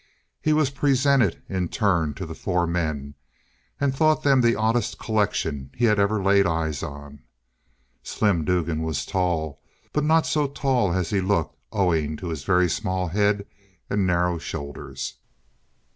He was presented in turn to the four men, and thought them the oddest collection he had ever laid eyes on. Slim Dugan was tall, but not so tall as he looked, owing to his very small head and narrow shoulders.